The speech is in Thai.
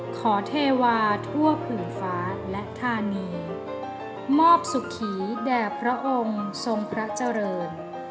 เทวาทั่วผื่นฟ้าและธานีมอบสุขีแด่พระองค์ทรงพระเจริญ